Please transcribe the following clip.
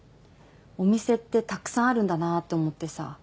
お店ってたくさんあるんだなって思ってさ